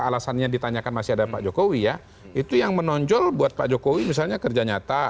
alasannya ditanyakan masih ada pak jokowi ya itu yang menonjol buat pak jokowi misalnya kerja nyata